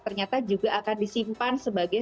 ternyata juga akan disimpan sebagai